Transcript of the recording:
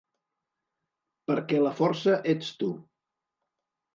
Perquè la força ets tu.